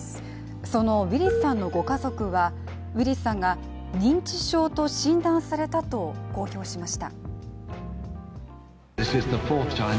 そのウィリスさんのご家族は、ウィリスさんが認知症と診断されたと公表しました。